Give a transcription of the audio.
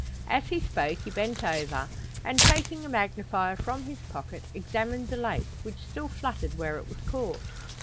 As he spoke, he bent over, and, taking a magnifier from his pocket, examined the lace, which still fluttered where it was caught.